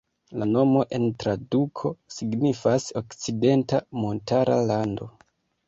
La nomo en traduko signifas "Okcidenta Montara Lando".